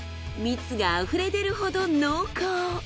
蜜があふれ出るほど濃厚。